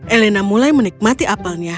elena mulai menikmati apelnya